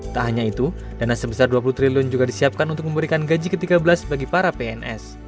tak hanya itu dana sebesar dua puluh triliun juga disiapkan untuk memberikan gaji ke tiga belas bagi para pns